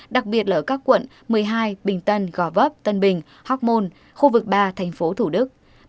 đặc biệt là các quận một mươi hai bình tân gò vấp tân bình hóc môn khu vực ba tp hcm